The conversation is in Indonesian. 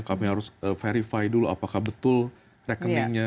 kami harus verify dulu apakah betul rekeningnya